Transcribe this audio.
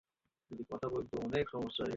আমি বললাম লোকটাকে আমি দেখেছি।